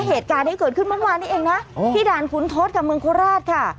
เหตุการณ์นี้เกิดขึ้นเมื่อวานนี้เองนะที่ด่านขุนทศกับเมืองโคราชค่ะ